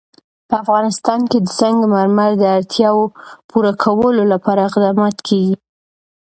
په افغانستان کې د سنگ مرمر د اړتیاوو پوره کولو لپاره اقدامات کېږي.